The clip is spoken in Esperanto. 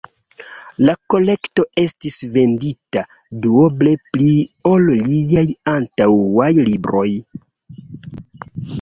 La kolekto estis vendita duoble pli ol liaj antaŭaj libroj.